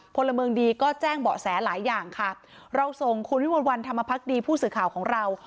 พลเมืองดีก็แจ้งเบาะแสหลายอย่างค่ะเราส่งคุณวิมวลวันธรรมพักดีผู้สื่อข่าวของเรา